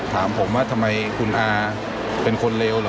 ถามผมว่าทำไมคุณอาเป็นคนเลวเหรอ